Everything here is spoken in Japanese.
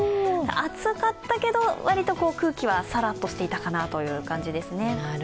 暑かったけど、割と空気はさらっとしていたかなという感じですね。